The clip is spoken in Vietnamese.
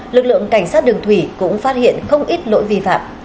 lực lượng cảnh sát đường thủy cũng phát hiện không ít lỗi vi phạm